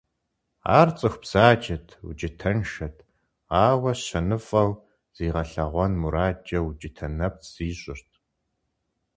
Ар цӀыху бзаджэт, укӀытэншэт, ауэ щэныфӀэу зигъэлъэгъуэн мурадкӀэ укӀытэ нэпцӀ зищӀырт.